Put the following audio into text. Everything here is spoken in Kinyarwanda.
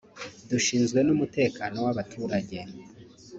"Dushinzwe n’umutekano w’abaturage